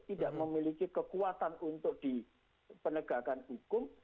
tidak memiliki kekuatan untuk dipenegakan hukum